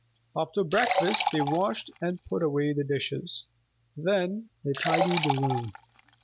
After breakfast they washed and put away the dishes. Then they tidied the room.